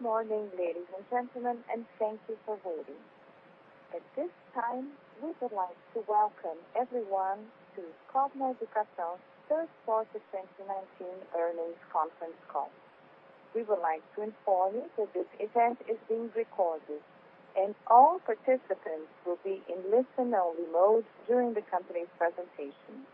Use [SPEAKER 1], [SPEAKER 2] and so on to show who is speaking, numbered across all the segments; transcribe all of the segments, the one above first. [SPEAKER 1] Good morning, ladies and gentlemen, and thank you for waiting. At this time, we would like to welcome everyone to Cogna Educação third quarter 2019 earnings conference call. We would like to inform you that this event is being recorded, and all participants will be in listen-only mode during the company's presentation.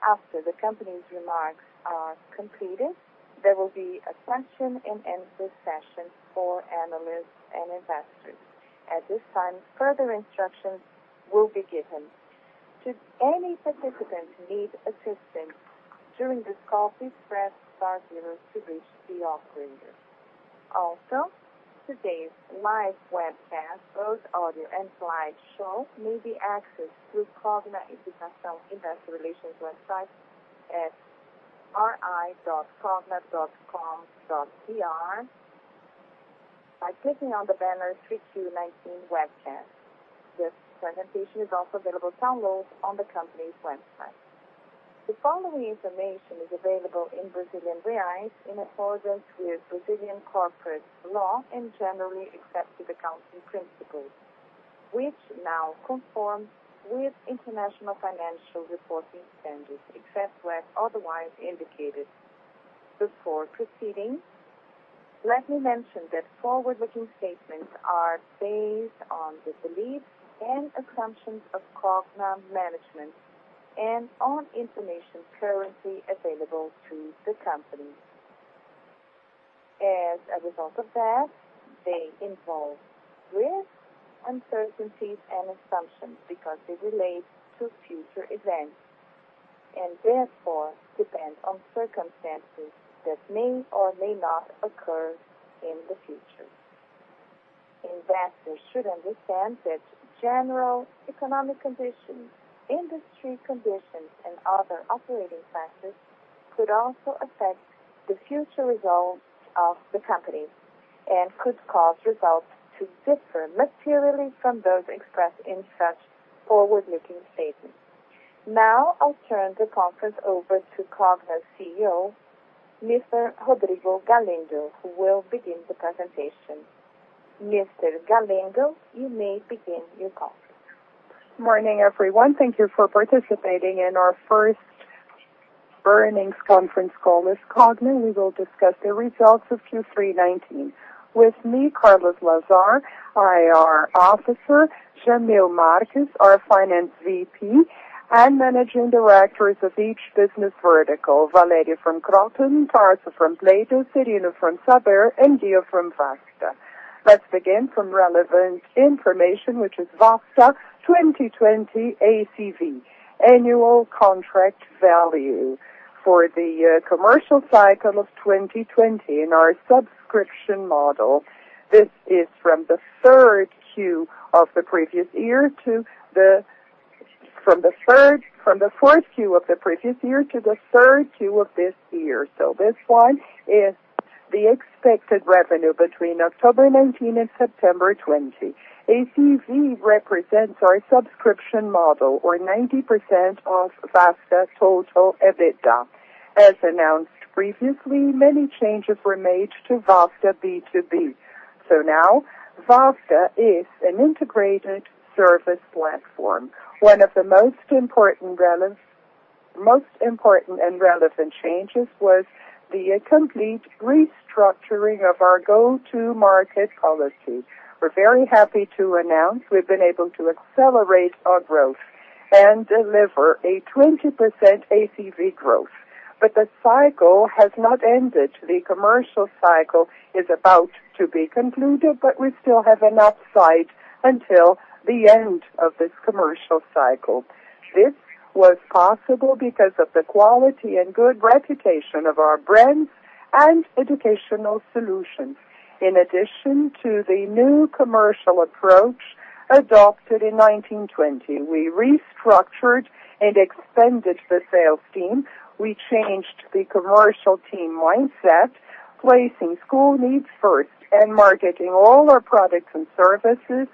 [SPEAKER 1] After the company's remarks are completed, there will be a question-and-answer session for analysts and investors. At this time, further instructions will be given. Should any participant need assistance during this call, please press star zero to reach the operator. Also, today's live webcast, both audio and slideshow, may be accessed through Cogna Educação investor relations website at ri.cogna.com.br by clicking on the banner 3Q19 webcast. This presentation is also available for download on the company's website. The following information is available in Brazilian reais in accordance with Brazilian corporate law and generally accepted accounting principles, which now conforms with international financial reporting standards, except where otherwise indicated. Before proceeding, let me mention that forward-looking statements are based on the beliefs and assumptions of Cogna management and on information currently available to the company. As a result of that, they involve risks, uncertainties, and assumptions because they relate to future events, and therefore depend on circumstances that may or may not occur in the future. Investors should understand that general economic conditions, industry conditions, and other operating factors could also affect the future results of the company and could cause results to differ materially from those expressed in such forward-looking statements. Now I'll turn the conference over to Cogna's CEO, Mr. Rodrigo Galindo, who will begin the presentation. Mr. Galindo, you may begin your conference.
[SPEAKER 2] Morning, everyone. Thank you for participating in our first earnings conference call with Cogna. We will discuss the results of Q3 2019. With me, Carlos Lazar, our IR officer, Jamil Marques, our Finance VP, and Managing Directors of each business vertical. Valério from Kroton, Tarso from Platos, Serino from Saber, and Ghio from Vasta. Let's begin from relevant information, which is Vasta 2020 ACV, annual contract value, for the commercial cycle of 2020 in our subscription model. This is from the fourth quarter of the previous year to the third quarter of this year. This one is the expected revenue between October 2019 and September 2020. ACV represents our subscription model or 90% of Vasta's total EBITDA. As announced previously, many changes were made to Vasta B2B. Now Vasta is an integrated service platform. One of the most important and relevant changes was the complete restructuring of our go-to market policy. We're very happy to announce we've been able to accelerate our growth and deliver a 20% ACV growth. The cycle has not ended. The commercial cycle is about to be concluded, but we still have an upside until the end of this commercial cycle. This was possible because of the quality and good reputation of our brands and educational solutions. In addition to the new commercial approach adopted in 1920. We restructured and expanded the sales team. We changed the commercial team mindset, placing school needs first and marketing all our products and services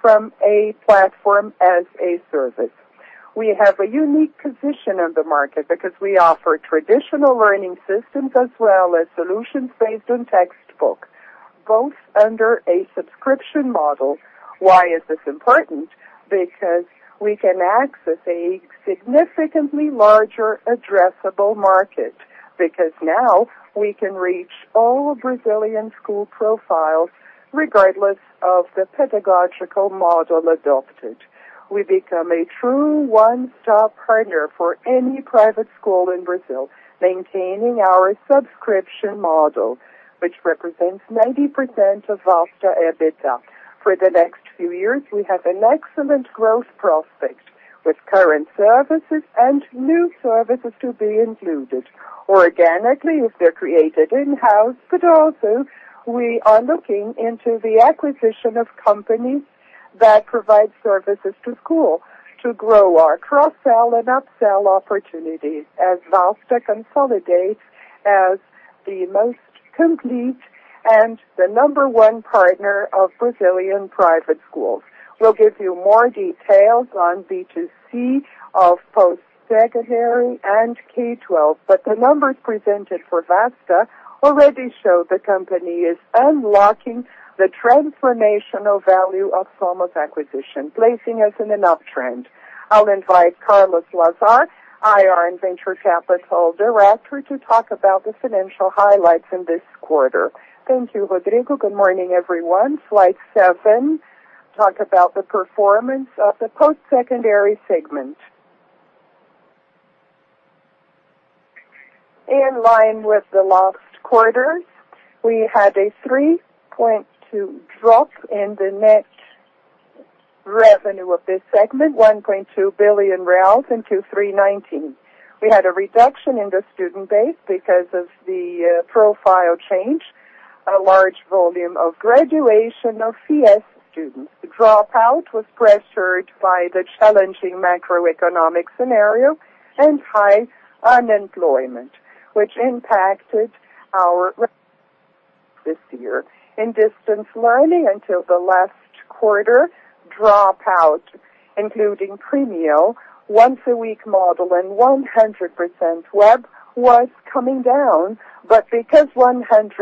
[SPEAKER 2] from a Platform as a Service. We have a unique position in the market because we offer traditional learning systems as well as solutions based on textbooks, both under a subscription model. Why is this important? We can access a significantly larger addressable market. Now we can reach all Brazilian school profiles, regardless of the pedagogical model adopted. We become a true one-stop partner for any private school in Brazil, maintaining our subscription model, which represents 90% of Vasta EBITDA. For the next few years, we have an excellent growth prospect with current services and new services to be included. Organically, if they're created in-house. Also, we are looking into the acquisition of companies that provide services to schools to grow our cross-sell and up-sell opportunities as Vasta consolidates as the most complete and the number one partner of Brazilian private schools. We'll give you more details on B2C of post-secondary and K-12, but the numbers presented for Vasta already show the company is unlocking the transformational value of SOMOS acquisition, placing us in an uptrend. I'll invite Carlos Lazar, IR and Venture Capital Director, to talk about the financial highlights in this quarter.
[SPEAKER 3] Thank you, Rodrigo. Good morning, everyone. Slide seven, talk about the performance of the post-secondary segment. In line with the last quarter, we had a 3.2% drop in the net revenue of this segment, 1.2 billion in 3Q 2019. We had a reduction in the student base because of the profile change. A large volume of graduation of FIES students. The dropout was pressured by the challenging macroeconomic scenario and high unemployment, which impacted this year. In distance learning until the last quarter, dropout, including premium, once a week model and 100% web, was coming down. Because 100%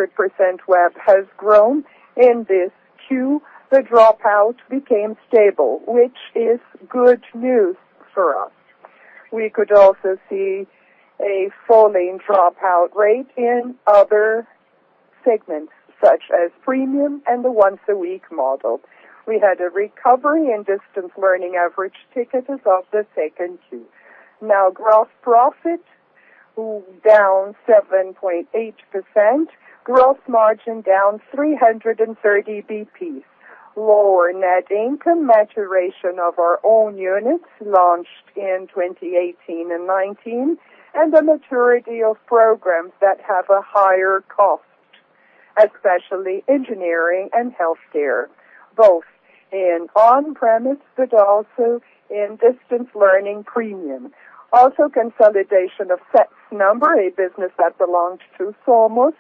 [SPEAKER 3] web has grown in this Q, the dropout became stable, which is good news for us. We could also see a falling dropout rate in other segments, such as premium and the once a week model. We had a recovery in distance learning average ticket in the second Q. Gross profit, down 7.8%. Gross margin down 330 basis points. Lower net income, maturation of our own units launched in 2018 and 2019, and the maturity of programs that have a higher cost, especially engineering and healthcare, both in on-premise, but also in distance learning premium. Consolidation of SET Number, a business that belongs to SOMOS,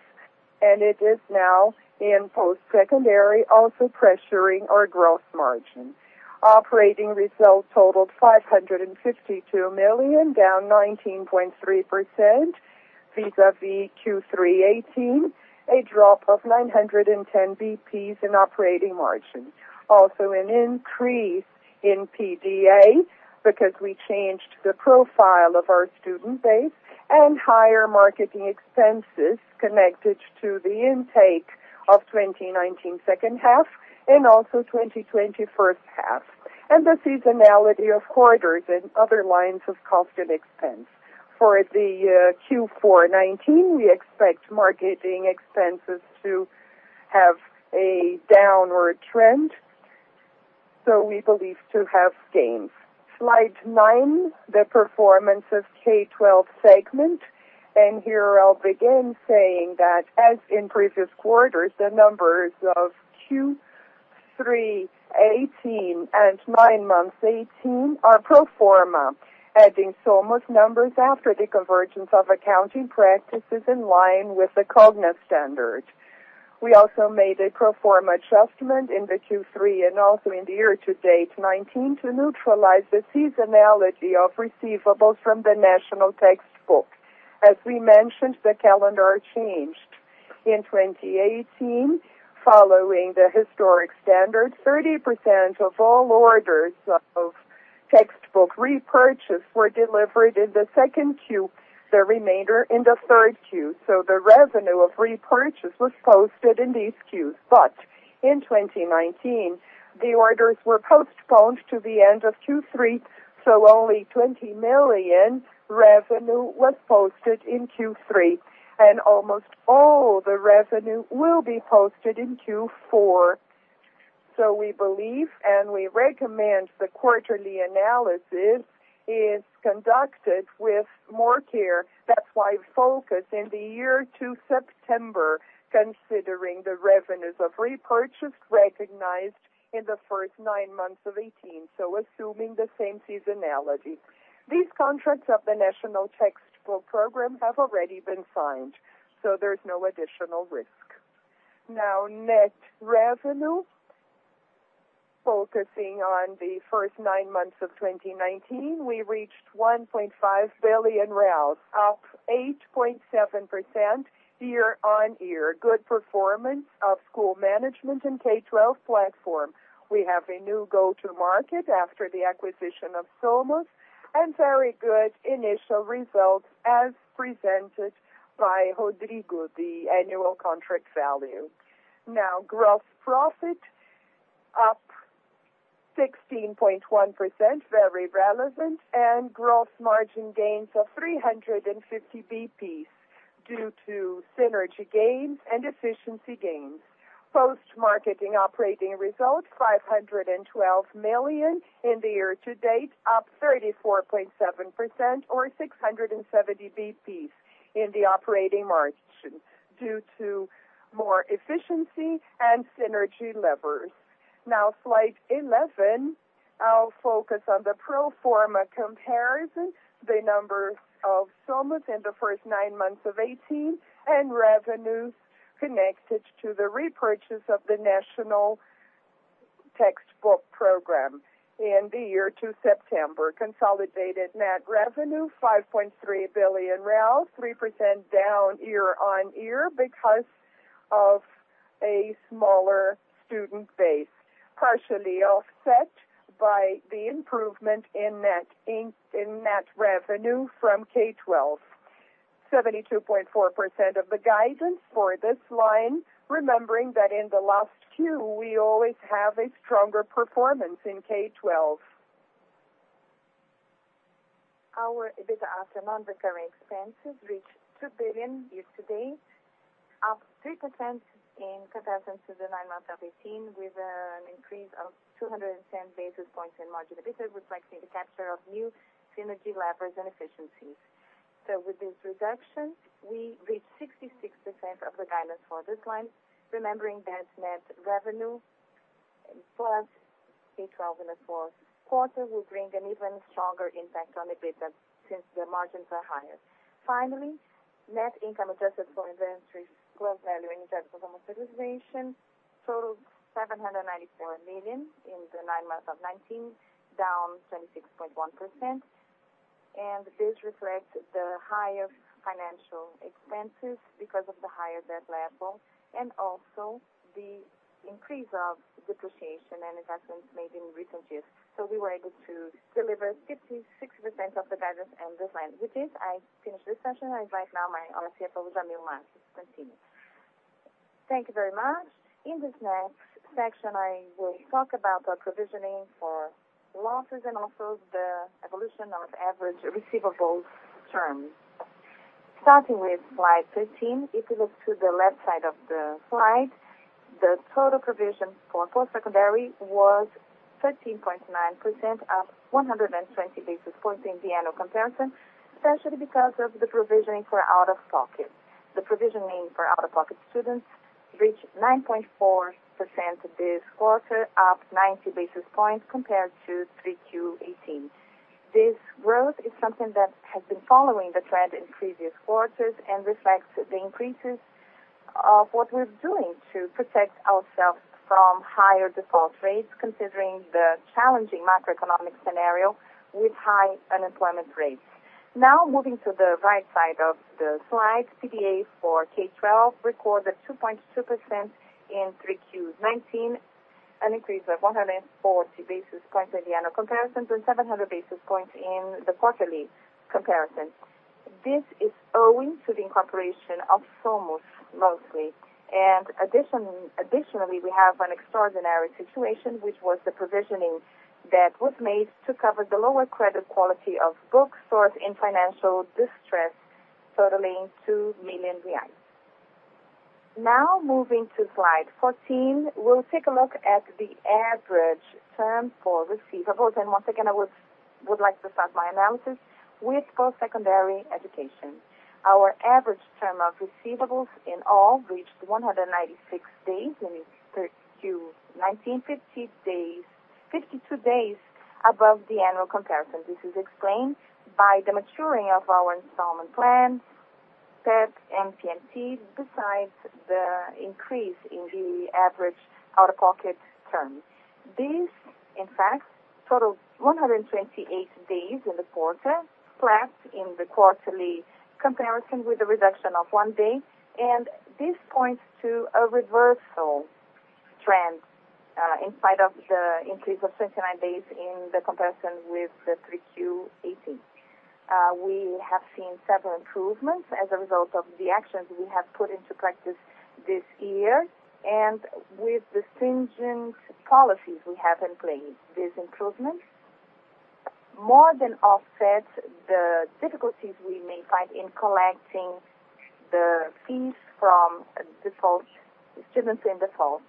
[SPEAKER 3] and it is now in post-secondary, also pressuring our gross margin. Operating results totaled 552 million, down 19.3% vis-à-vis Q3 2018, a drop of 910 basis points in operating margin. Also an increase in PDA because we changed the profile of our student base and higher marketing expenses connected to the intake of 2019 second half and also 2020 first half, and the seasonality of quarters and other lines of cost and expense. For the Q4 2019, we expect marketing expenses to have a downward trend. We believe to have gains. Slide nine, the performance of K-12 segment. Here I'll begin saying that as in previous quarters, the numbers of Q3 2018 and nine months 2018 are pro forma, adding SOMOS numbers after the convergence of accounting practices in line with the Cogna standards. We also made a pro forma adjustment in the Q3 and also in the year to date 2019 to neutralize the seasonality of receivables from the National Textbook. As we mentioned, the calendar changed. In 2018, following the historic standard, 30% of all orders of textbook repurchase were delivered in the second Q, the remainder in the third Q. The revenue of repurchase was posted in these Qs. In 2019, the orders were postponed to the end of Q3, so only 20 million revenue was posted in Q3, and almost all the revenue will be posted in Q4. We believe and we recommend the quarterly analysis is conducted with more care. That's why focus in the year to September, considering the revenues of repurchase recognized in the first nine months of 2018. Assuming the same seasonality. These contracts of the National Textbook Program have already been signed, so there's no additional risk. Now, net revenue. Focusing on the first nine months of 2019, we reached 1.5 billion, up 8.7% year-on-year. Good performance of school management and K-12 platform. We have a new go-to market after the acquisition of SOMOS and very good initial results as presented by Rodrigo, the annual contract value. Gross profit, up 16.1%, very relevant, and gross margin gains of 350 basis points due to synergy gains and efficiency gains. Post-marketing operating results, 512 million in the year-to-date, up 34.7% or 670 basis points in the operating margin due to more efficiency and synergy levers. Slide 11, I'll focus on the pro forma comparison, the number of SOMOS in the first nine months of 2018, and revenues connected to the repurchase of the National Textbook Program in the year to September. Consolidated net revenue 5.3 billion, 3% down year-on-year because of a smaller student base, partially offset by the improvement in net revenue from K-12. 72.4% of the guidance for this line, remembering that in the last Q, we always have a stronger performance in K-12. Our EBITDA, non-recurring expenses, reached 2 billion year-to-date, up 3% in comparison to the nine months of 2018, with an increase of 210 basis points in margin EBITDA, reflecting the capture of new synergy levers and efficiencies. With this reduction, we reached 66% of the guidance for this line, remembering that net revenue, plus K-12 in the fourth quarter, will bring an even stronger impact on EBITDA since the margins are higher. Finally, net income adjusted for inventories, gross value in terms of amortization, totaled 794 million in the nine months of 2019, down 26.1%. This reflects the higher financial expenses because of the higher debt level and also the increase of depreciation and investments made in recent years. We were able to deliver 56% of the guidance on this line. With this, I finish this section. I invite now my Jamil Marques to continue.
[SPEAKER 4] Thank you very much. In this next section, I will talk about our provisioning for losses and also the evolution of average receivables terms. Starting with Slide 13, if you look to the left side of the slide, the total provision for post-secondary was 13.9%, up 120 basis points in the annual comparison, especially because of the provisioning for out-of-pocket. The provisioning for out-of-pocket students reached 9.4% this quarter, up 90 basis points compared to Q3 2018. This growth is something that has been following the trend in previous quarters and reflects the increases of what we're doing to protect ourselves from higher default rates, considering the challenging macroeconomic scenario with high unemployment rates. Now moving to the right side of the slide, PDA for K-12 recorded 2.2% in Q3 2019, an increase of 140 basis points in the annual comparison, and 700 basis points in the quarterly comparison. This is owing to the incorporation of SOMOS, mostly. Additionally, we have an extraordinary situation, which was the provisioning that was made to cover the lower credit quality of bookstores in financial distress totaling 2 million reais. Moving to Slide 14, we'll take a look at the average term for receivables, and once again, I would like to start my analysis with post-secondary education. Our average term of receivables in all reached 196 days in 3Q 2019, 52 days above the annual comparison. This is explained by the maturing of our installment plans, PEP and PMT, besides the increase in the average out-of-pocket term. In fact, totaled 128 days in the quarter, flat in the quarterly comparison with a reduction of one day, and this points to a reversal trend in spite of the increase of 29 days in the comparison with the 3Q18. We have seen several improvements as a result of the actions we have put into practice this year and with the stringent policies we have in place. These improvements more than offset the difficulties we may find in collecting the fees from students in default.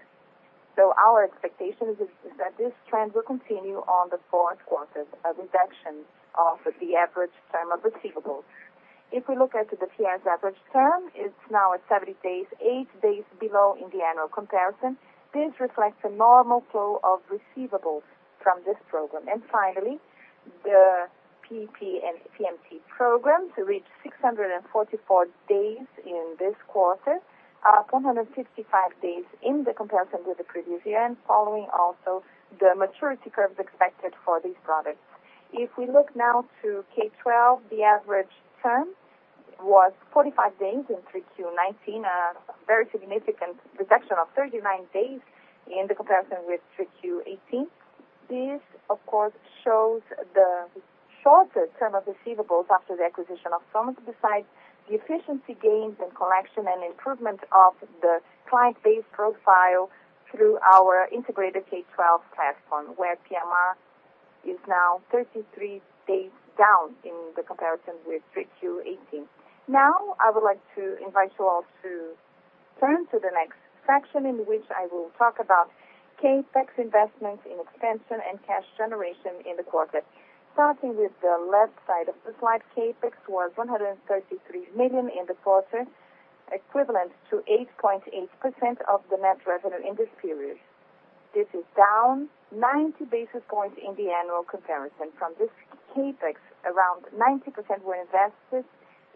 [SPEAKER 4] Our expectation is that this trend will continue on the fourth quarter, a reduction of the average term of receivables. If we look at the PS average term, it's now at 70 days, eight days below in the annual comparison. This reflects a normal flow of receivables from this program. Finally, the PEP and PMT programs reached 644 days in this quarter, up 155 days in the comparison with the previous year, and following also the maturity curves expected for these products. If we look now to K-12, the average term was 45 days in Q3 2019, a very significant reduction of 39 days in the comparison with Q3 2018. This, of course, shows the shorter term of receivables after the acquisition of SOMOS, besides the efficiency gains in collection and improvement of the client base profile through our integrated K-12 platform, where PMR is now 33 days down in the comparison with Q3 2018. Now, I would like to invite you all to turn to the next section, in which I will talk about CapEx investments in expansion and cash generation in the quarter. Starting with the left side of the slide, CapEx was 133 million in the quarter, equivalent to 8.8% of the net revenue in this period. This is down 90 basis points in the annual comparison. From this CapEx, around 90% were invested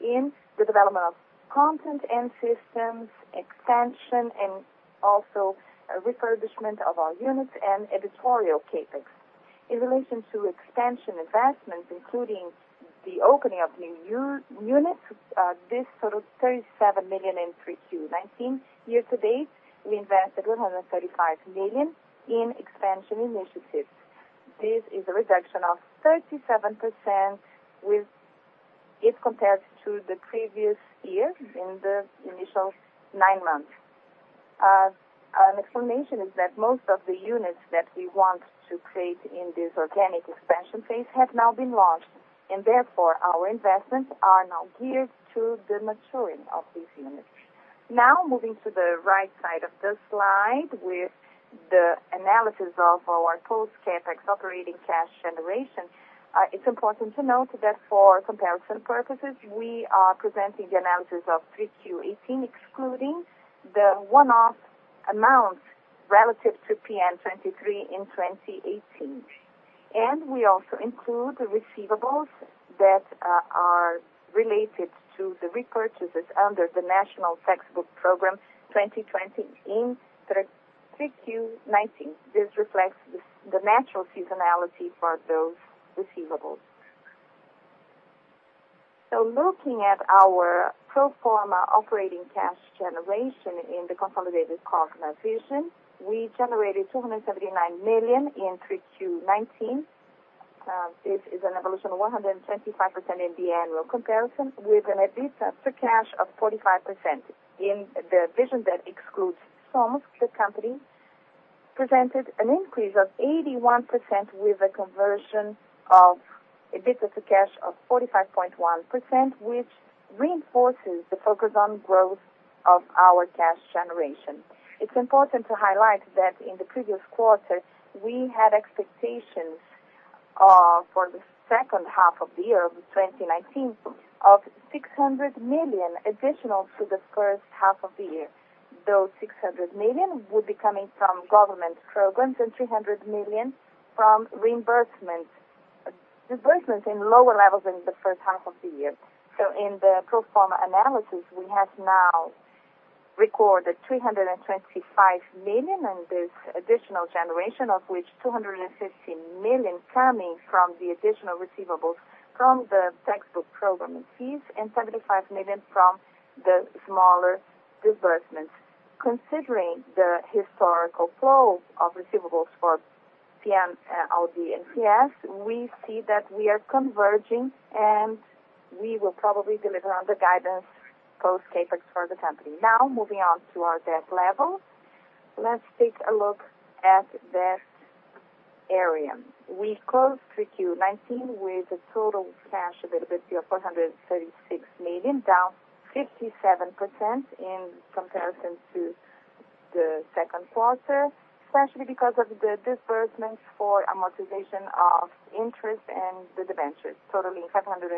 [SPEAKER 4] in the development of content and systems expansion, and also a refurbishment of our units and editorial CapEx. In relation to expansion investments, including the opening of new units, this totaled 37 million in 3Q19. Year-to-date, we invested 235 million in expansion initiatives. This is a reduction of 37% with it compared to the previous year in the initial nine months. An explanation is that most of the units that we want to create in this organic expansion phase have now been launched, and therefore our investments are now geared to the maturing of these units. Now moving to the right side of the slide with the analysis of our post-CapEx operating cash generation. It's important to note that for comparison purposes, we are presenting the analysis of 3Q 2018, excluding the one-off amount relative to PN23 in 2018. We also include the receivables that are related to the repurchases under the National Textbook Program 2020 in 3Q 2019. This reflects the natural seasonality for those receivables. Looking at our pro forma operating cash generation in the consolidated Cogna vision, we generated 279 million in 3Q 2019. This is an evolution of 125% in the annual comparison with an EBITDA to cash of 45%. In the vision that excludes SOMOS, the company presented an increase of 81% with a conversion of EBITDA to cash of 45.1%, which reinforces the focus on growth of our cash generation. It's important to highlight that in the previous quarter, we had expectations for the second half of 2019, of 600 million additional to the first half of the year. Those 600 million would be coming from government programs and 300 million from reimbursements. Disbursement in lower levels than the first half of the year. In the pro forma analysis, we have now recorded 325 million in this additional generation, of which 250 million coming from the additional receivables from the textbook program fees and 75 million from the smaller disbursements. Considering the historical flow of receivables for PNLD and PS, we see that we are converging, and we will probably deliver on the guidance post-CapEx for the company. Moving on to our debt level. Let's take a look at this area. We closed 3Q19 with a total cash availability of 436 million, down 57% in comparison to the second quarter, especially because of the disbursements for amortization of interest and the debentures totaling 563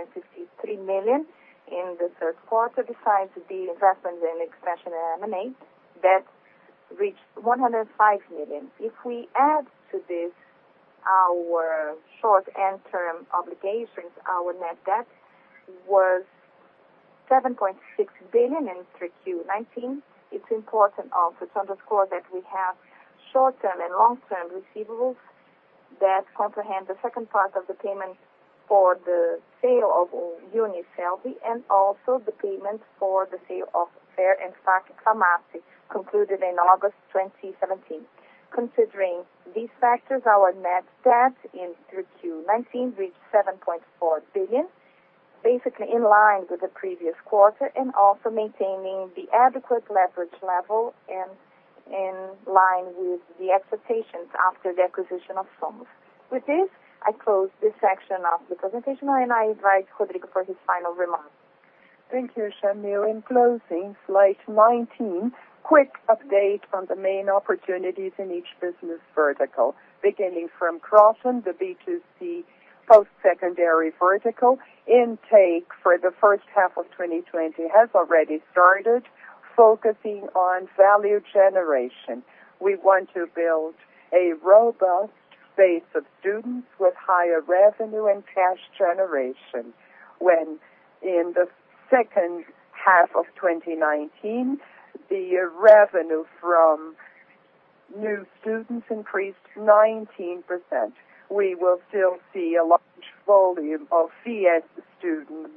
[SPEAKER 4] million in the third quarter. Besides the investment in expansion and M&A, that reached 105 million. We add to this our short- and term obligations, our net debt was 7.6 billion in 3Q19. It's important also to underscore that we have short-term and long-term receivables that comprehend the second part of the payment for the sale of UNIASSELVI and also the payment for the sale of FAIR & FAC Faculdades, concluded in August 2017. Considering these factors, our net debt in 3Q 2019 reached 7.4 billion, basically in line with the previous quarter and also maintaining the adequate leverage level and in line with the expectations after the acquisition of SOMOS. With this, I close this section of the presentation, I invite Rodrigo for his final remarks.
[SPEAKER 2] Thank you, Jamil. In closing, slide 19, quick update on the main opportunities in each business vertical. Beginning from Kroton, the B2C post-secondary vertical intake for the first half of 2020 has already started focusing on value generation. We want to build a robust base of students with higher revenue and cash generation. In the second half of 2019, the revenue from new students increased 19%. We will still see a large volume of FIES students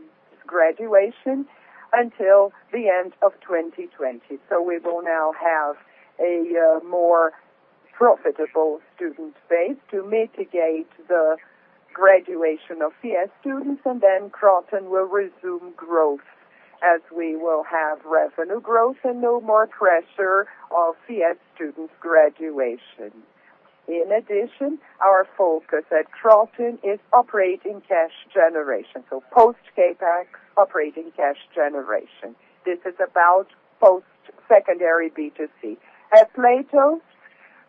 [SPEAKER 2] graduation until the end of 2020. We will now have a more profitable student base to mitigate the graduation of FIES students. Kroton will resume growth as we will have revenue growth and no more pressure of FIES students graduation. In addition, our focus at Kroton is operating cash generation, post-CapEx operating cash generation. This is about post-secondary B2C. At Platos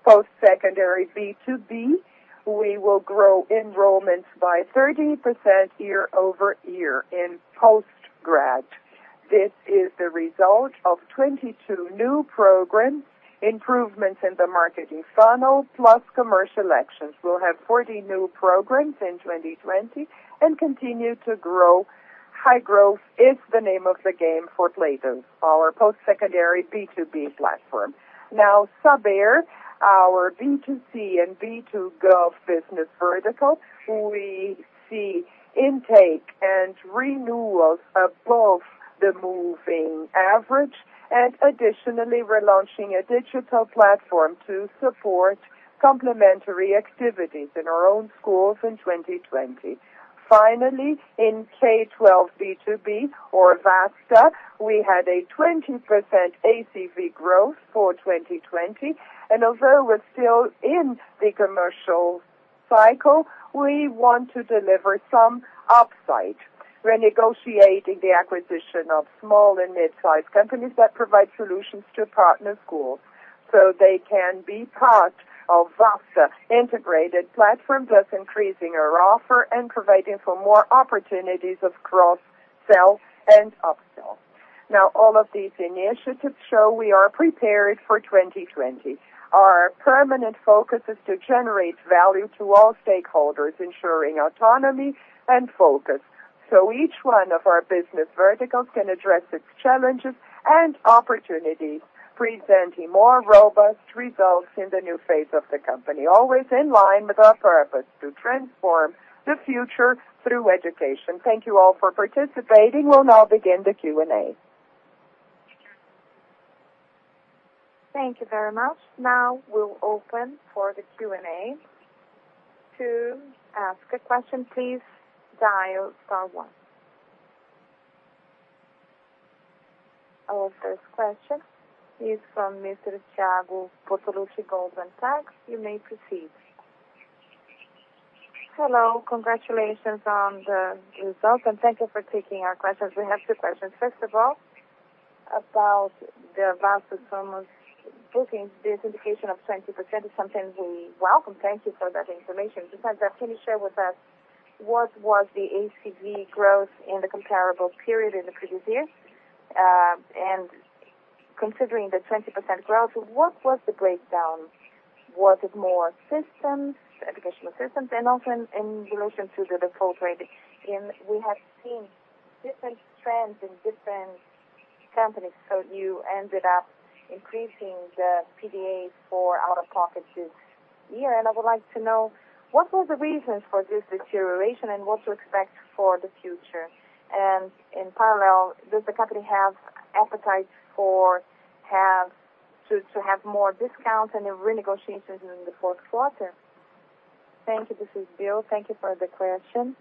[SPEAKER 2] post-secondary B2B, we will grow enrollments by 30% year-over-year in post-grad. This is the result of 22 new programs, improvements in the marketing funnel, plus commercial actions. We'll have 40 new programs in 2020 and continue to grow. High growth is the name of the game for Leiden, our post-secondary B2B platform. Now, Saber, our B2C and B2G business vertical. We see intake and renewal above the moving average. Additionally, we're launching a digital platform to support complementary activities in our own schools in 2020. Finally, in K-12 B2B or Vasta, we had a 20% ACV growth for 2020. Although we're still in the commercial cycle, we want to deliver some upside. We're negotiating the acquisition of small and mid-size companies that provide solutions to partner schools, so they can be part of Vasta integrated platform, thus increasing our offer and providing for more opportunities of cross-sell and upsell. Now, all of these initiatives show we are prepared for 2020. Our permanent focus is to generate value to all stakeholders, ensuring autonomy and focus, so each one of our business verticals can address its challenges and opportunities, presenting more robust results in the new phase of the company, always in line with our purpose, to transform the future through education. Thank you all for participating. We'll now begin the Q&A.
[SPEAKER 1] Thank you very much. We'll open for the Q&A. To ask a question, please dial star one. Our first question is from Mr. Thiago Bortoluci, Goldman Sachs. You may proceed.
[SPEAKER 5] Hello. Congratulations on the results, thank you for taking our questions. We have two questions. First of all, about the Vasta booking. This indication of 20% is something we welcome. Thank you for that information. Just that, can you share with us what was the ACV growth in the comparable period in the previous years? Considering the 20% growth, what was the breakdown? Was it more systems, educational systems? In relation to the default rate, we have seen different trends in different companies. You ended up increasing the PDA for out-of-pocket this year, and I would like to know what were the reasons for this deterioration and what to expect for the future. In parallel, does the company have appetite to have more discounts and then renegotiations in the fourth quarter?
[SPEAKER 6] Thank you. This is Ghio. Thank you for the question.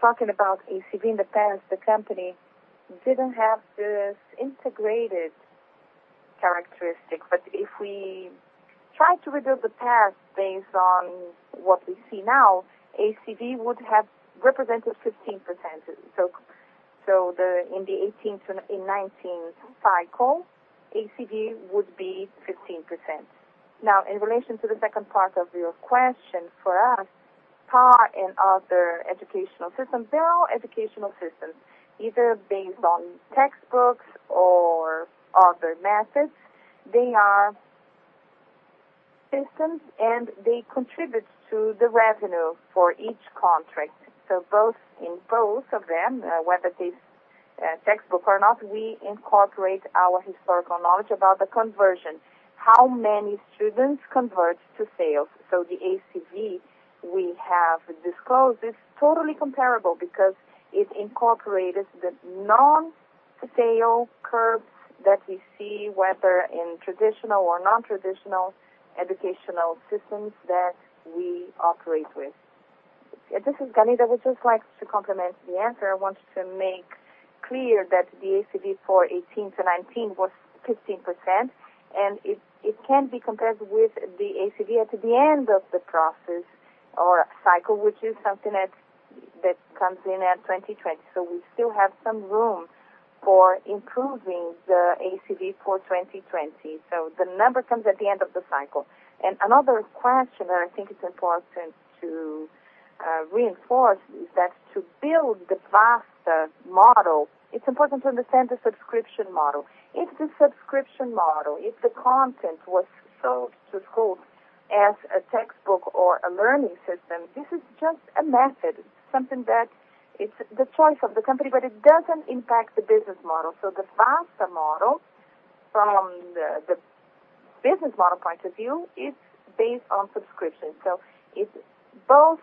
[SPEAKER 6] Talking about ACV, in the past, the company didn't have this integrated characteristic. If we try to rebuild the past based on what we see now, ACV would have represented 15%. In the 2018-2019 cycle, ACV would be 15%. In relation to the second part of your question, for us, TA and other educational systems, they're all educational systems, either based on textbooks or other methods. They are systems, and they contribute to the revenue for each contract. Both in both of them, whether it is a textbook or not, we incorporate our historical knowledge about the conversion. How many students convert to sales? The ACV we have disclosed is totally comparable because it incorporated the non-sale curves that we see, whether in traditional or non-traditional educational systems that we operate with.
[SPEAKER 2] This is Galindo. I would just like to complement the answer. I want to make clear that the ACV for 2018-2019 was 15%, it can be compared with the ACV at the end of the process or cycle, which is something that comes in at 2020. We still have some room for improving the ACV for 2020. The number comes at the end of the cycle. Another question that I think is important to reinforce is that to build the Vasta model, it's important to understand the subscription model. If the subscription model, if the content was sold to schools as a textbook or a learning system, this is just a method. It's something that is the choice of the company, it doesn't impact the business model. The Vasta model from the business model point of view is based on subscription. Both,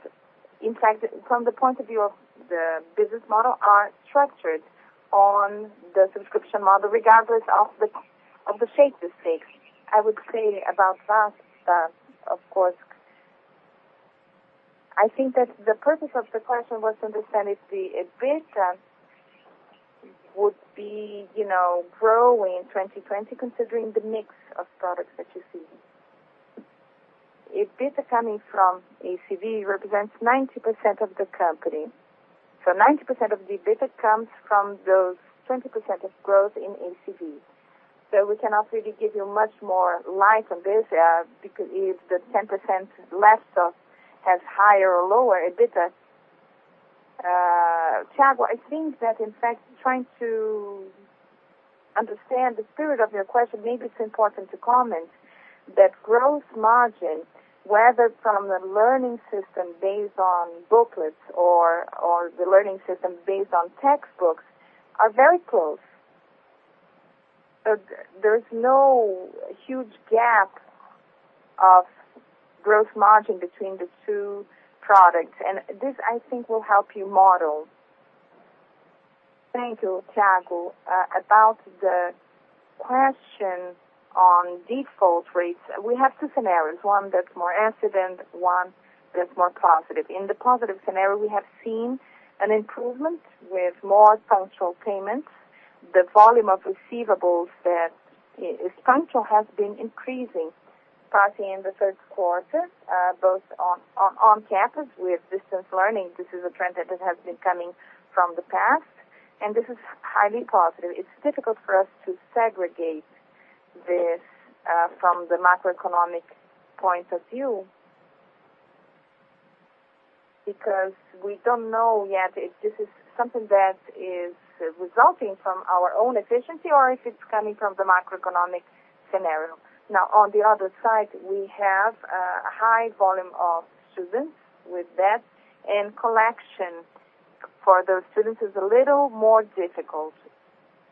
[SPEAKER 2] in fact, from the point of view of the business model, are structured on the subscription model, regardless of the shape this takes. I would say about Vasta, of course. I think that the purpose of the question was to understand if the EBITDA would be growing in 2020, considering the mix of products that you see. EBITDA coming from ACV represents 90% of the company. 90% of the EBITDA comes from those 20% of growth in ACV. We cannot really give you much more light on this, because if the 10% left has higher or lower EBITDA. Thiago, I think that in fact, trying to understand the spirit of your question, maybe it's important to comment that growth margin, whether from the learning system based on booklets or the learning system based on textbooks, are very close. There's no huge gap of growth margin between the two products, and this, I think, will help you model.
[SPEAKER 4] Thank you, Thiago. About the question on default rates, we have two scenarios, one that's more incident, one that's more positive. In the positive scenario, we have seen an improvement with more punctual payments. The volume of receivables that is punctual has been increasing, starting in the third quarter, both on campus with distance learning. This is a trend that has been coming from the past, and this is highly positive. It's difficult for us to segregate this from the macroeconomic point of view, because we don't know yet if this is something that is resulting from our own efficiency or if it's coming from the macroeconomic scenario. On the other side, we have a high volume of students with debt, and collection for those students is a little more difficult.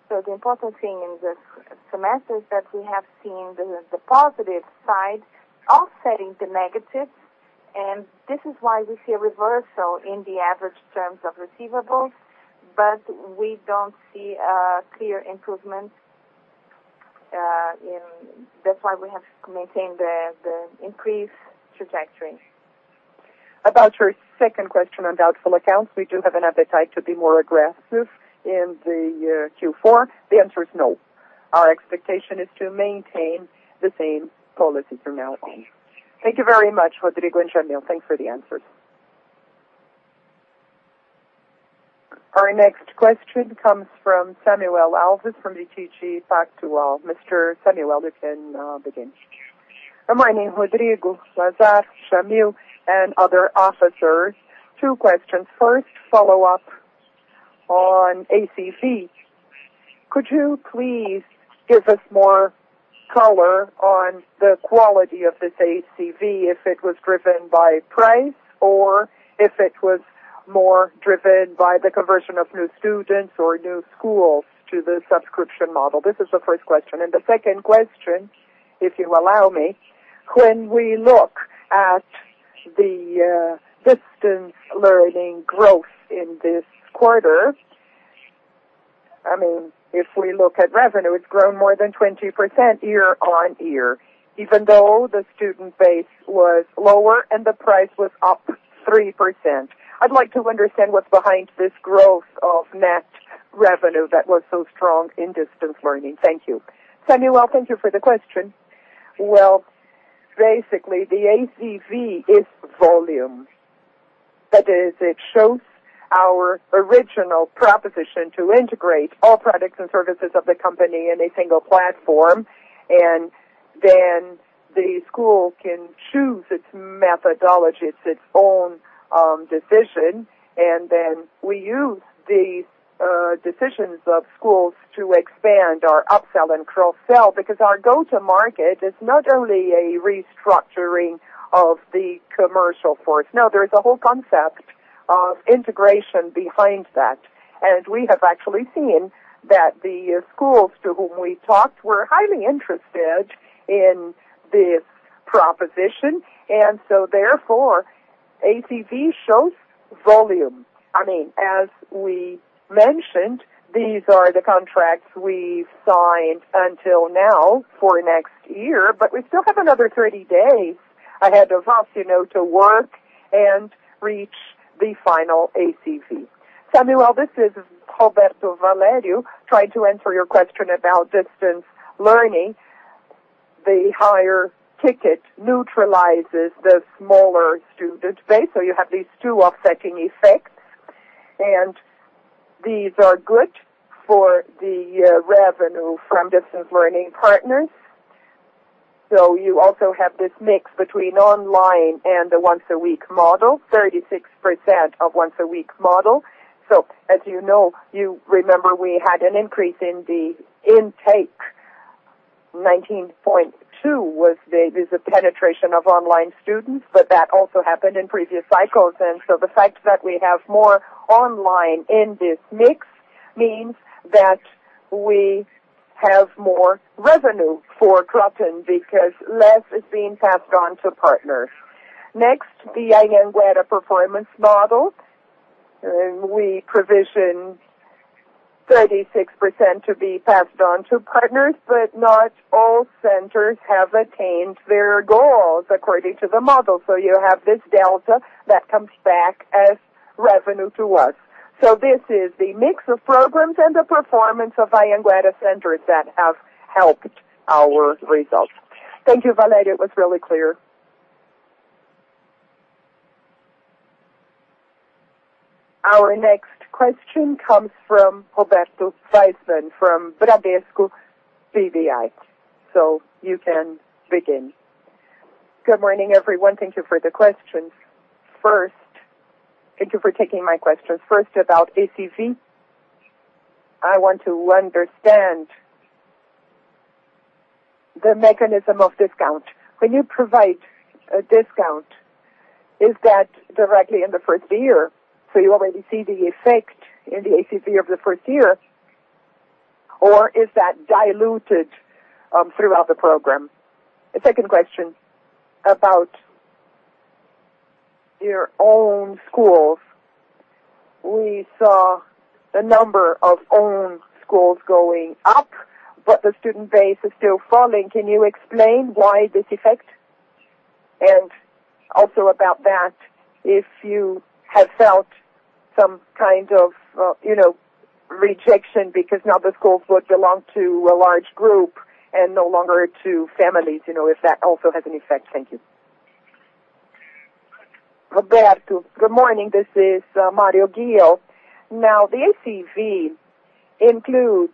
[SPEAKER 4] The important thing in this semester is that we have seen the positive side offsetting the negative, and this is why we see a reversal in the average terms of receivables, but we don't see a clear improvement. That's why we have maintained the increase trajectory. About your second question on doubtful accounts, we do have an appetite to be more aggressive in the Q4. The answer is no. Our expectation is to maintain the same policy from now on.
[SPEAKER 5] Thank you very much, Rodrigo and Jamil. Thanks for the answers.
[SPEAKER 1] Our next question comes from Samuel Alves from BTG Pactual. Mr. Samuel, you can begin.
[SPEAKER 7] Good morning, Rodrigo, Lazar, Jamil, and other officers. Two questions. First, follow-up on ACV. Could you please give us more color on the quality of this ACV, if it was driven by price, or if it was more driven by the conversion of new students or new schools to the subscription model? This is the first question. The second question, if you allow me, when we look at the distance learning growth in this quarter, if we look at revenue, it's grown more than 20% year-on-year, even though the student base was lower and the price was up 3%. I'd like to understand what's behind this growth of net revenue that was so strong in distance learning. Thank you.
[SPEAKER 2] Samuel, thank you for the question. Well, basically, the ACV is volume. That is, it shows our original proposition to integrate all products and services of the company in a single platform. The school can choose its methodology, it's its own decision, and then we use the decisions of schools to expand our upsell and cross-sell. Our go-to-market is not only a restructuring of the commercial force. No, there's a whole concept of integration behind that. We have actually seen that the schools to whom we talked were highly interested in this proposition. Therefore, ACV shows volume. As we mentioned, these are the contracts we've signed until now for next year, but we still have another 30 days ahead of us to work and reach the final ACV.
[SPEAKER 8] Samuel, this is Roberto Valério. Try to answer your question about distance learning. The higher ticket neutralizes the smaller student base, so you have these two offsetting effects, and these are good for the revenue from distance learning partners. You also have this mix between online and the once-a-week model, 36% of once-a-week model. As you know, you remember we had an increase in the intake, 19.2 was the penetration of online students. That also happened in previous cycles, and so the fact that we have more online in this mix means that we have more revenue for Kroton because less is being passed on to partners. Next, the Anhanguera had a performance model. We provisioned 36% to be passed on to partners, but not all centers have attained their goals according to the model. You have this delta that comes back as revenue to us. This is the mix of programs and the performance of Anhanguera centers that have helped our results.
[SPEAKER 7] Thank you, Valério. It was really clear.
[SPEAKER 1] Our next question comes from Roberto Waissmann from Bradesco BBI. You can begin.
[SPEAKER 9] Good morning, everyone. Thank you for the questions. Thank you for taking my questions. First, about ACV. I want to understand the mechanism of discount. When you provide a discount, is that directly in the first year, so you already see the effect in the ACV of the first year, or is that diluted throughout the program? A second question about your own schools. We saw the number of owned schools going up, but the student base is still falling. Can you explain why this effect? Also about that, if you have felt some kind of rejection because now the schools belong to a large group and no longer to families. If that also has an effect. Thank you.
[SPEAKER 6] Roberto, good morning. This is Mário Ghio. The ACV includes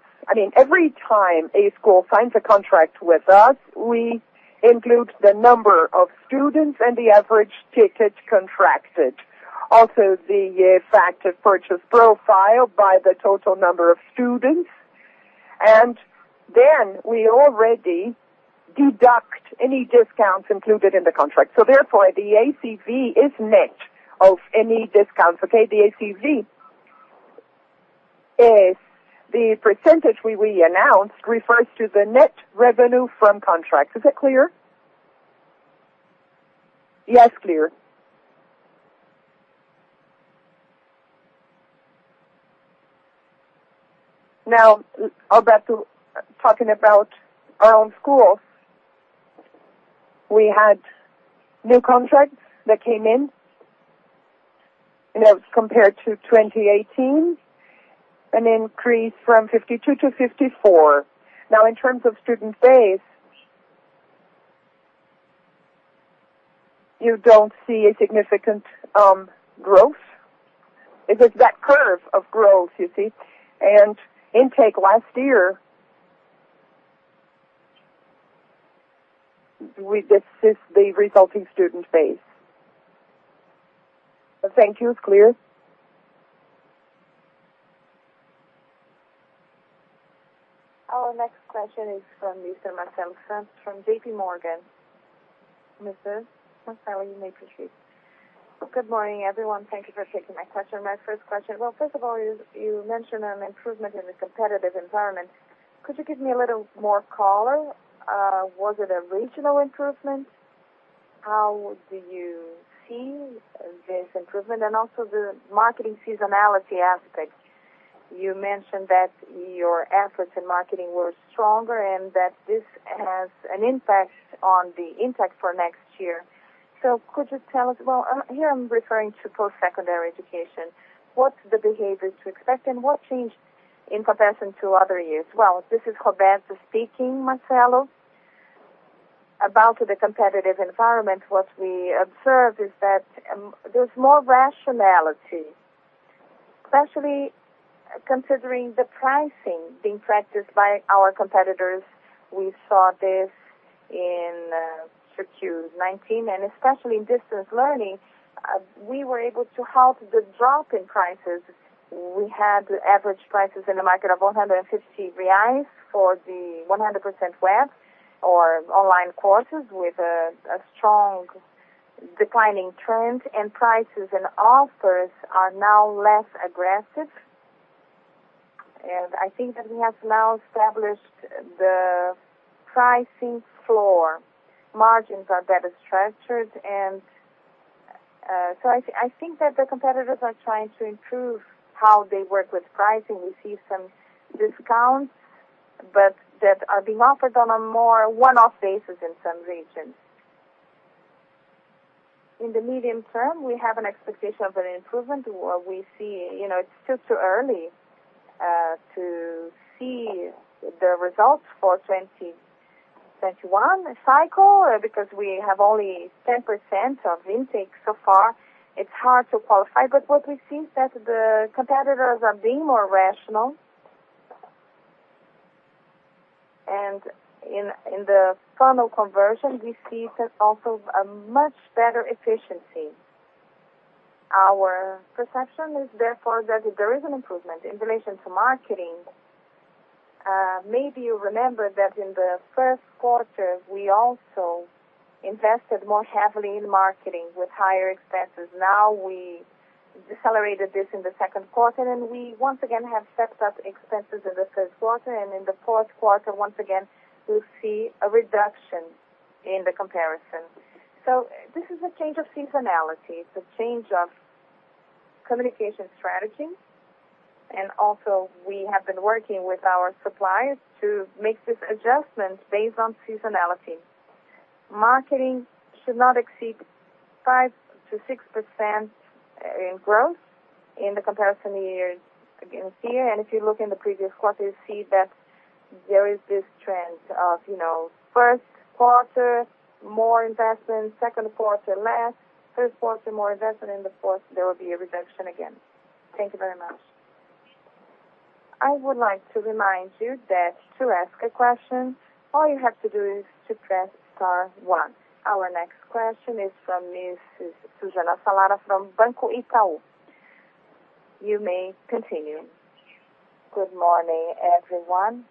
[SPEAKER 6] every time a school signs a contract with us, we include the number of students and the average ticket contracted. The effective purchase profile by the total number of students. We already deduct any discounts included in the contract. Therefore, the ACV is net of any discounts, okay? The ACV is the percentage we announced refers to the net revenue from contracts. Is that clear?
[SPEAKER 9] Yes, clear.
[SPEAKER 6] Roberto, talking about our own schools. We had new contracts that came in, compared to 2018, an increase from 52-54. In terms of student base, you don't see a significant growth. It is that curve of growth you see, and intake last year, this is the resulting student base.
[SPEAKER 9] Thank you. It's clear.
[SPEAKER 1] Our next question is from Mr. Marcelo Santos from JPMorgan. Mr. Marcelo, you may proceed.
[SPEAKER 10] Good morning, everyone. Thank you for taking my question. Well, first of all, you mentioned an improvement in the competitive environment. Could you give me a little more color? Was it a regional improvement? How do you see this improvement, and also the marketing seasonality aspect? You mentioned that your efforts in marketing were stronger and that this has an impact on the intake for next year. Could you tell us, here I'm referring to post-secondary education, what's the behaviors to expect, and what changed in comparison to other years?
[SPEAKER 8] Well, this is Roberto speaking, Marcelo. About the competitive environment, what we observed is that there's more rationality, especially considering the pricing being practiced by our competitors. We saw this in 2Q19, especially in distance learning, we were able to halt the drop in prices. We had average prices in the market of 150 reais for the 100% web or online courses with a strong declining trend, and prices and offers are now less aggressive. I think that we have now established the pricing floor. Margins are better structured. I think that the competitors are trying to improve how they work with pricing. We see some discounts, but that are being offered on a more one-off basis in some regions. In the medium-term, we have an expectation of an improvement. It's still too early to see the results for 2021 cycle. We have only 10% of intake so far, it's hard to qualify. What we see is that the competitors are being more rational. In the funnel conversion, we see also a much better efficiency. Our perception is therefore that there is an improvement. In relation to marketing, maybe you remember that in the first quarter, we also invested more heavily in marketing with higher expenses. We decelerated this in the second quarter, we once again have stepped up expenses in the third quarter, in the fourth quarter, once again, we'll see a reduction in the comparison. This is a change of seasonality. It's a change of communication strategy. Also we have been working with our suppliers to make these adjustments based on seasonality. Marketing should not exceed 5%-6% in growth in the comparison year against year. If you look in the previous quarter, you see that there is this trend of first quarter, more investment, second quarter, less, third quarter, more investment, in the fourth, there will be a reduction again.
[SPEAKER 10] Thank you very much.
[SPEAKER 1] I would like to remind you that to ask a question, all you have to do is to press star one. Our next question is from Mrs. Susana Salaru from Banco Itaú. You may continue.
[SPEAKER 11] Good morning, everyone.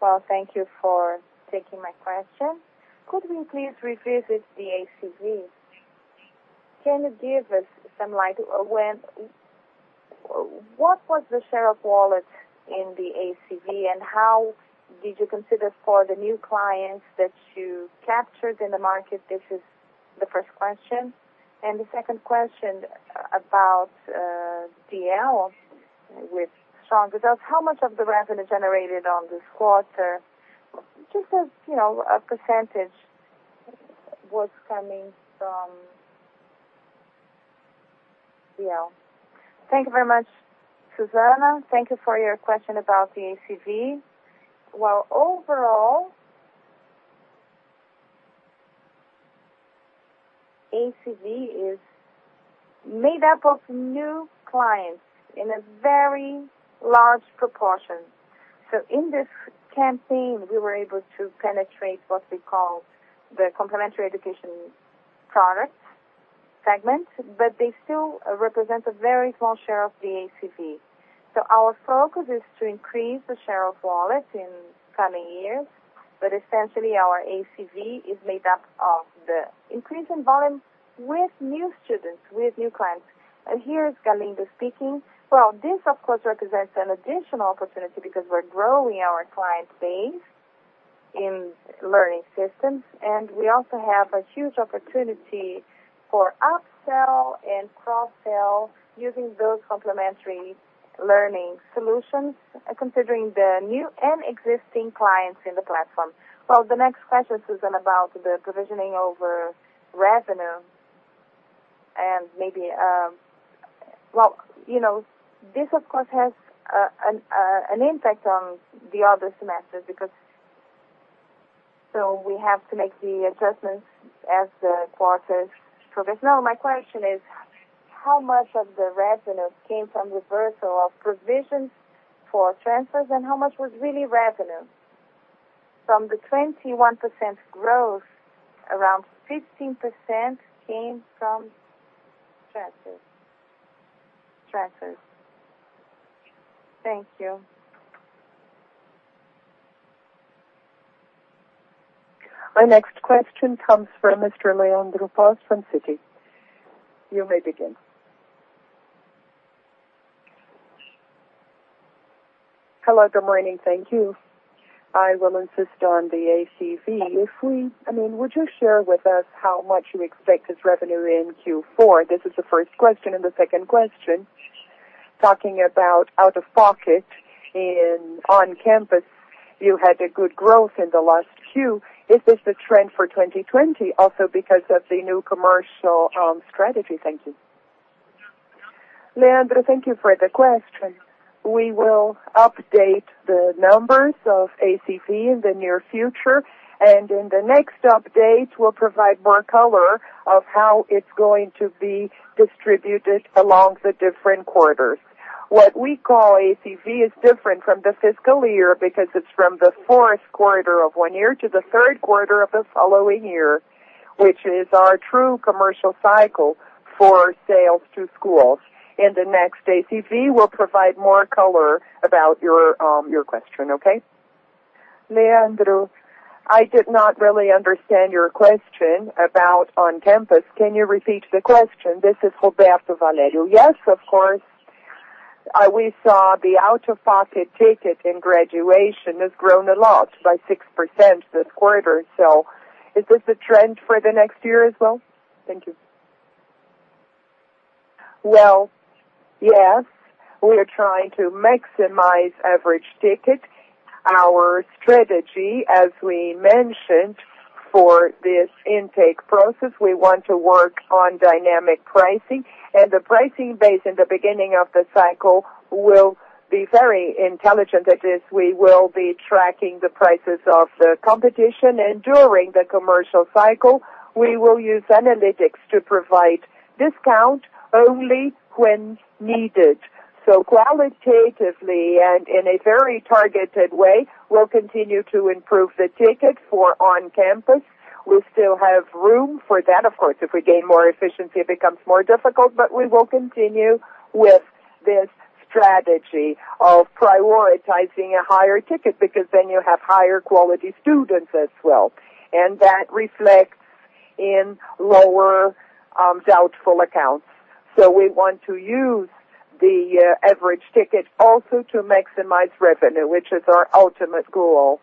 [SPEAKER 11] Well, thank you for taking my question. Could we please revisit the ACV? Can you give us some light? What was the share of wallet in the ACV, and how did you consider for the new clients that you captured in the market? This is the first question. The second question about DL with strong results. How much of the revenue generated on this quarter, just as a percentage, was coming from DL?
[SPEAKER 6] Thank you very much, Susana. Thank you for your question about the ACV. Well, overall, ACV is made up of new clients in a very large proportion. In this campaign, we were able to penetrate what we call the complementary education product segment, but they still represent a very small share of the ACV. Our focus is to increase the share of wallet in coming years. Essentially, our ACV is made up of the increase in volume with new students, with new clients.
[SPEAKER 2] Here is Galindo speaking. Well, this, of course, represents an additional opportunity because we're growing our client base in learning systems, and we also have a huge opportunity for upsell and cross-sell using those complementary learning solutions, considering the new and existing clients in the platform. The next question, Susana, about the provisioning over revenue. This, of course, has an impact on the other semesters. We have to make the adjustments as the quarters progress.
[SPEAKER 11] No, my question is, how much of the revenue came from reversal of provisions for transfers, and how much was really revenue?
[SPEAKER 2] From the 21% growth, around 15% came from transfers.
[SPEAKER 11] Thank you.
[SPEAKER 1] Our next question comes from Mr. Leandro Bastos from Citi. You may begin.
[SPEAKER 12] Hello, good morning. Thank you. I will insist on the ACV. Would you share with us how much you expect as revenue in Q4? This is the first question, and the second question, talking about out-of-pocket in on-campus, you had a good growth in the last Q. Is this the trend for 2020 also because of the new commercial strategy? Thank you.
[SPEAKER 2] Leandro, thank you for the question. We will update the numbers of ACV in the near future, and in the next update, we'll provide more color of how it's going to be distributed along the different quarters. What we call ACV is different from the fiscal year because it's from the fourth quarter of one year to the third quarter of the following year, which is our true commercial cycle for sales to schools. In the next ACV, we'll provide more color about your question, okay?
[SPEAKER 8] Leandro. I did not really understand your question about on-campus. Can you repeat the question? This is Roberto Valério.
[SPEAKER 12] Yes, of course. We saw the out-of-pocket ticket in graduation has grown a lot, by 6% this quarter. Is this the trend for the next year as well? Thank you.
[SPEAKER 8] Well, yes. We are trying to maximize average ticket. Our strategy, as we mentioned, for this intake process, we want to work on dynamic pricing, and the pricing based in the beginning of the cycle will be very intelligent. That is, we will be tracking the prices of the competition, and during the commercial cycle, we will use analytics to provide discount only when needed. Qualitatively and in a very targeted way, we'll continue to improve the ticket for on-campus. We still have room for that. If we gain more efficiency, it becomes more difficult. We will continue with this strategy of prioritizing a higher ticket because you have higher-quality students as well, and that reflects in lower doubtful accounts. We want to use the average ticket also to maximize revenue, which is our ultimate goal.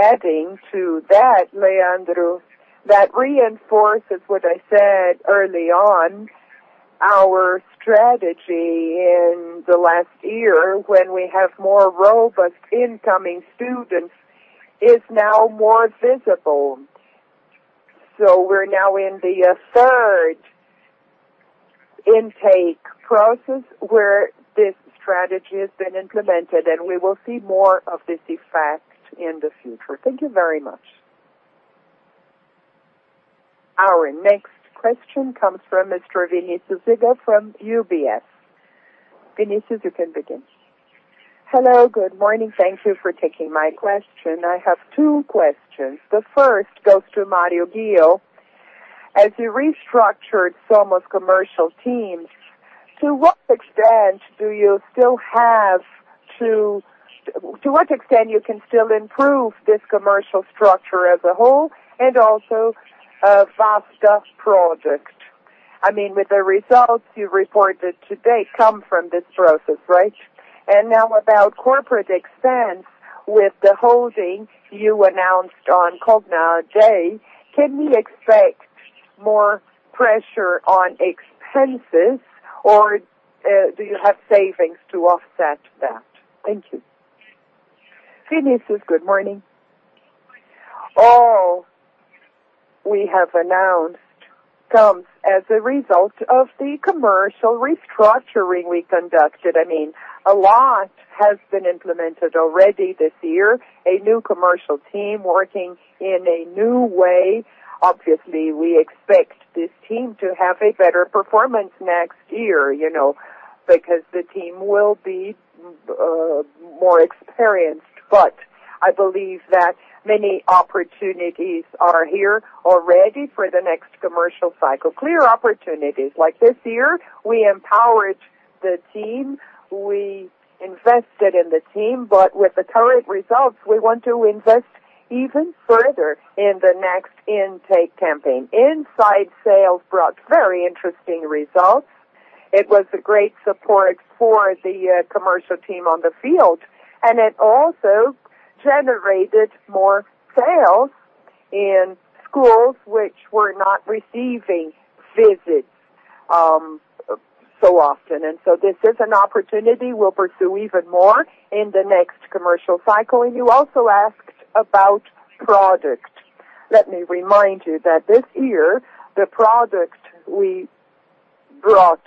[SPEAKER 8] Adding to that, Leandro, that reinforces what I said early on. Our strategy in the last year, when we have more robust incoming students, is now more visible. We're now in the surge intake process where this strategy has been implemented, and we will see more of this effect in the future.
[SPEAKER 12] Thank you very much.
[SPEAKER 1] Our next question comes from Mr. Vinicius Ribeiro from UBS. Vinicius, you can begin.
[SPEAKER 13] Hello. Good morning. Thank you for taking my question. I have two questions. The first goes to Mário Ghio. As you restructured some of commercial teams, to what extent you can still improve this commercial structure as a whole and also Vasta's project? I mean, with the results you reported today come from this process, right? Now about corporate expense with the holding you announced on Cogna Day, can we expect more pressure on expenses or do you have savings to offset that? Thank you.
[SPEAKER 6] Vinicius, good morning. All we have announced comes as a result of the commercial restructuring we conducted. I mean, a lot has been implemented already this year, a new commercial team working in a new way. Obviously, we expect this team to have a better performance next year, because the team will be more experienced. I believe that many opportunities are here already for the next commercial cycle. Clear opportunities. Like this year, we empowered the team, we invested in the team. With the current results, we want to invest even further in the next intake campaign. Inside sales brought very interesting results. It was a great support for the commercial team on the field. It also generated more sales in schools which were not receiving visits so often. This is an opportunity we'll pursue even more in the next commercial cycle. You also asked about projects. Let me remind you that this year, the projects we brought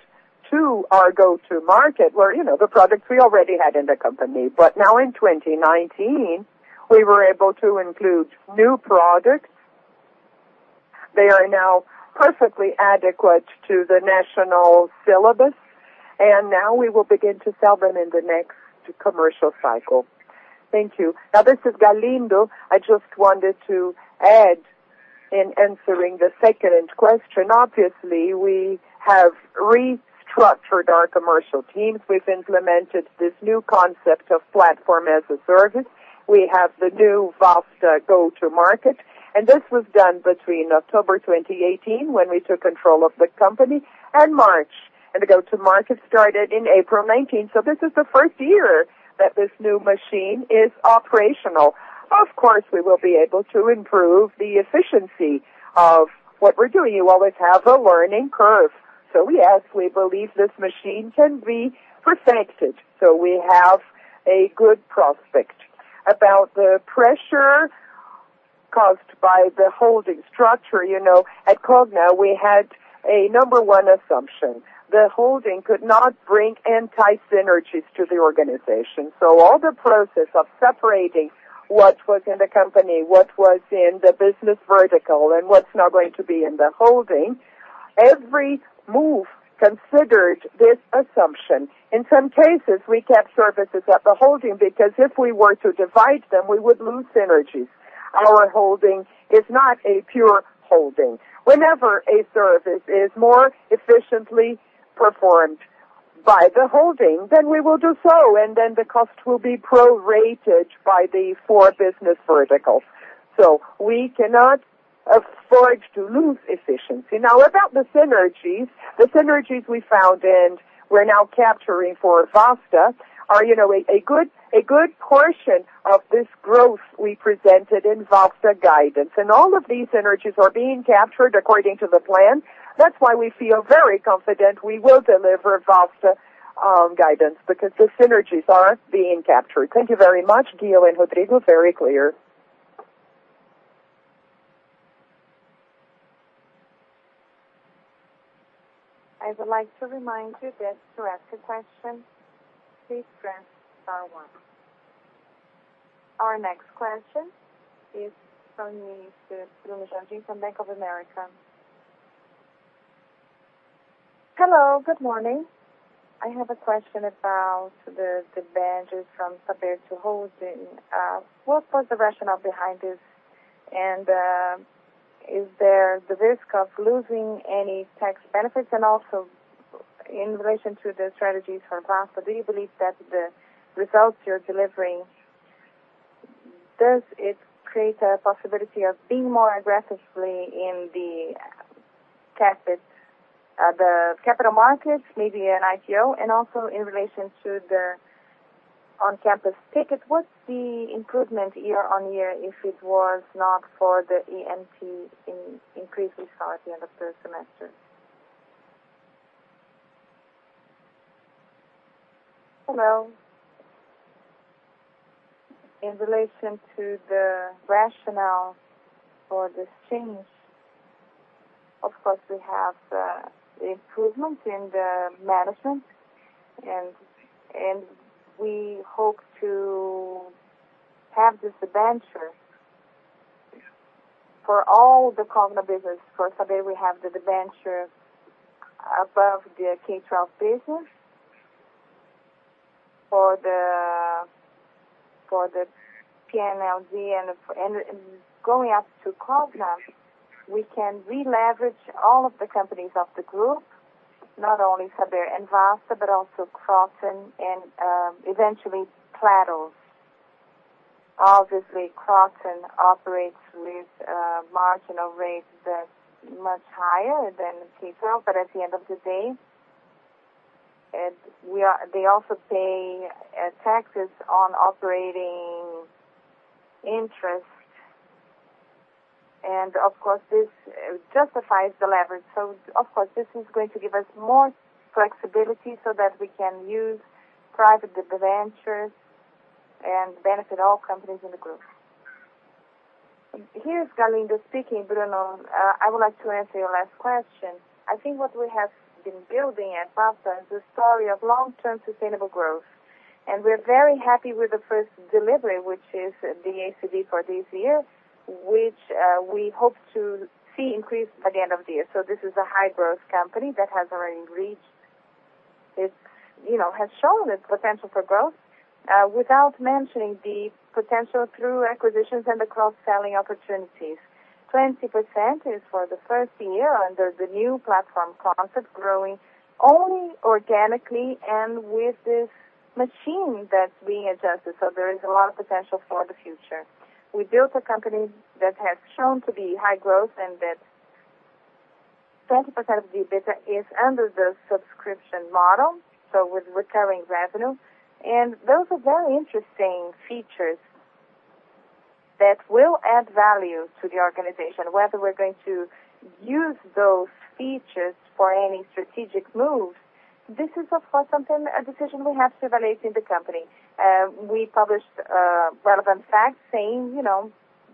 [SPEAKER 6] to our go-to market were the products we already had in the company. Now in 2019, we were able to include new projects. They are now perfectly adequate to the national syllabus. Now we will begin to sell them in the next commercial cycle.
[SPEAKER 2] Thank you. This is Galindo. I just wanted to add in answering the second question. Obviously, we have restructured our commercial teams. We've implemented this new concept of Platform as a Service. We have the new Vasta go-to market, and this was done between October 2018, when we took control of the company, and March. The go-to market started in April 2019. This is the first year that this new machine is operational. Of course, we will be able to improve the efficiency of what we're doing. You always have a learning curve. We absolutely believe this machine can be perfected. We have a good prospect. About the pressure caused by the holding structure. At Cogna, we had a number one assumption that holding could not bring anti-synergies to the organization. All the process of separating what was in the company, what was in the business vertical, and what's now going to be in the holding, every move considered this assumption. In some cases, we kept services at the holding because if we were to divide them, we would lose synergies. Our holding is not a pure holding. Whenever a service is more efficiently performed by the holding, we will do so, and the cost will be prorated by the four business verticals. We cannot afford to lose efficiency. About the synergies. The synergies we found and we're now capturing for Vasta are a good portion of this growth we presented in Vasta guidance. All of these synergies are being captured according to the plan. That's why we feel very confident we will deliver Vasta guidance because the synergies are being captured.
[SPEAKER 13] Thank you very much, Ghio and Rodrigo. Very clear.
[SPEAKER 1] I would like to remind you that to ask a question, please press star one. Our next question is from Mr. Bruno Giardino from Bank of America.
[SPEAKER 14] Hello. Good morning. I have a question about the advantages from Saber Holding. What was the rationale behind this, and is there the risk of losing any tax benefits? Also, in relation to the strategies for Vasta, do you believe that the results you're delivering, does it create a possibility of being more aggressively in the capital markets, maybe an IPO? Also, in relation to the on-campus ticket, what's the improvement year-on-year if it was not for the PEP increase we saw at the end of first semester?
[SPEAKER 4] Hello. In relation to the rationale for this change, of course, we have the improvement in the management, and we hope to have this debenture for all the Cogna business. For Saber, we have the debenture above the K-12 business. For the PNLD and going up to Cogna, we can releverage all of the companies of the group, not only Saber and Vasta, but also Kroton and eventually Platos. Obviously, Kroton operates with a marginal rate that's much higher than K-12. At the end of the day, they also pay taxes on operating interest. Of course, this justifies the leverage. Of course, this is going to give us more flexibility so that we can use private debentures and benefit all companies in the group.
[SPEAKER 2] Here's Galindo speaking, Bruno. I would like to answer your last question. I think what we have been building at Vasta is a story of long-term sustainable growth, and we're very happy with the first delivery, which is the ACV for this year, which we hope to see increase by the end of the year. This is a high-growth company that has shown its potential for growth, without mentioning the potential through acquisitions and the cross-selling opportunities. 20% is for the first year under the new platform concept, growing only organically and with this machine that's being adjusted. There is a lot of potential for the future. We built a company that has shown to be high growth and that 20% of the EBITDA is under the subscription model, so with recurring revenue. Those are very interesting features that will add value to the organization. Whether we're going to use those features for any strategic move, this is, of course, a decision we have to evaluate in the company. We published relevant facts saying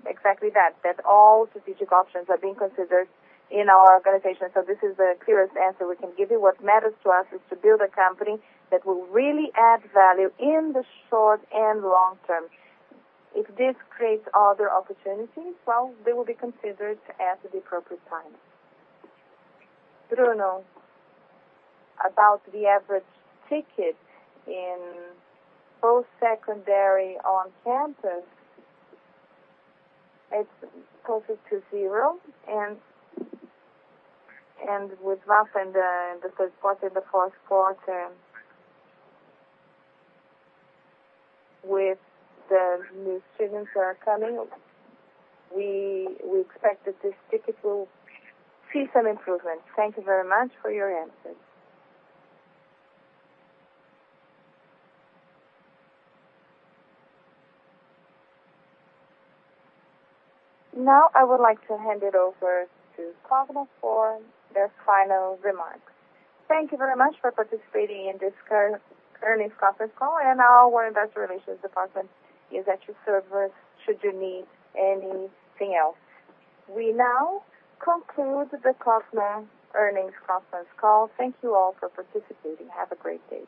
[SPEAKER 2] exactly that all strategic options are being considered in our organization. This is the clearest answer we can give you. What matters to us is to build a company that will really add value in the short and long term. If this creates other opportunities, well, they will be considered at the appropriate time. Bruno, about the average ticket in post-secondary on campus, it's closer to zero. With Vasta in the third quarter, the fourth quarter, with the new students that are coming, we expect that this ticket will see some improvement.
[SPEAKER 14] Thank you very much for your answers.
[SPEAKER 1] Now, I would like to hand it over to Cogna for their final remarks.
[SPEAKER 2] Thank you very much for participating in this earnings conference call, and our investor relations department is at your service should you need anything else. We now conclude the Cogna earnings conference call. Thank you all for participating. Have a great day.